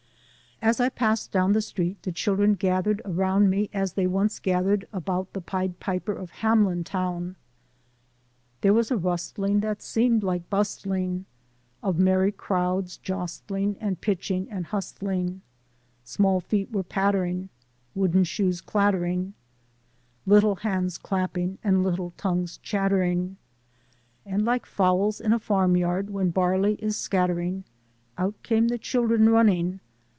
As I passed down the street the chil dren gathered around me as they once gathered about the Pied Piper of Hamelin Town: "There was a rustling that seemed like bustling Of merry crowds jostling and pitching and hustling; Small feet were pattering, wooden shoes clattering, Little hands clapping and little tongues chattering; And like fowls in a farmyard when barley is scattering Out came the children running.